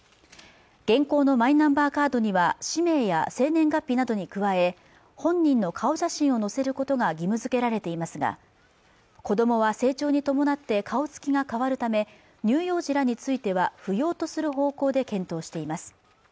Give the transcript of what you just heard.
現行のマイナンバーカードには氏名や生年月日などに加え本人の顔写真を載せることが義務づけられていますが子供は成長に伴って顔つきが変わるため乳幼児らについては不要とする方向で検討しています